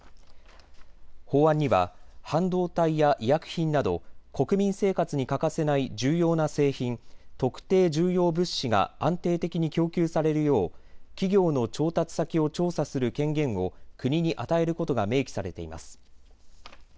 法案には半導体や医薬品など国民生活に欠かせない重要な製品、特定重要物資が安定的に供給されるよう企業の調達先を調査する権限を国に与えることが明記されています。